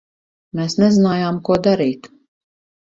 Mēs nezinājām, ko darīt.